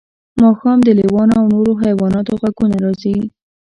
ماښام د لیوانو او نورو حیواناتو غږونه راځي